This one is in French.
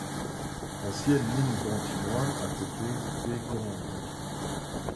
Anciennes mines d'antimoine à côté des Combres.